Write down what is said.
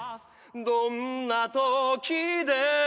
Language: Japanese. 「どんな時でも」